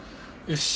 よし。